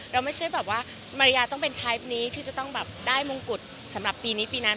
เราไม่ใช่แบบว่ามาริยาต้องเป็นทาปนี้ที่จะต้องแบบได้มงกุฎสำหรับปีนี้ปีนั้น